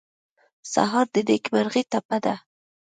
سهار د نېکمرغۍ ټپه ده.